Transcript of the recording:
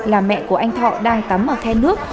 là mẹ của anh thọ đang tắm ở then nước